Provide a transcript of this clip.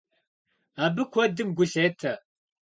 Абы куэдым гу лъетэ.